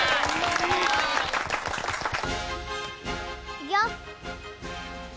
いくよ！